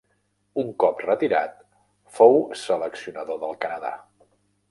Un cop retirat fou seleccionador del Canadà.